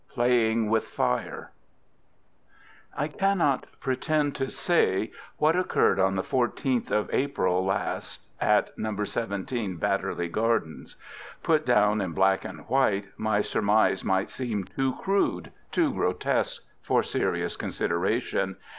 PLAYING WITH FIRE I cannot pretend to say what occurred on the 14th of April last at No. 17, Badderly Gardens. Put down in black and white, my surmise might seem too crude, too grotesque, for serious consideration.